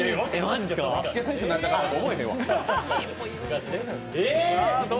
バスケ選手になりたかったとは思えへんわ。